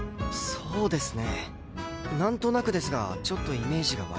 そうですね。